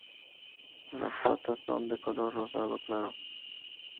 Las patas son de color rosado claro.